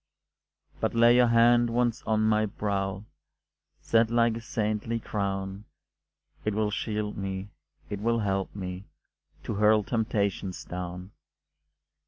But lay your hand once on my brow, Set like a saintly crown, It will shield me, it will help me To hurl temptations down.